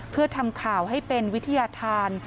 เพื่อทำข่าวให้เป็นวิทยาธาร